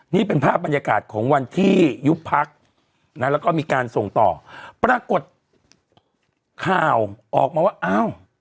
นี่เป็นภาพบรรยากาศของวันที่ยุบพักนะแล้วก็มีการส่งต่อปรากฏข่าวออกมาว่าอ้าว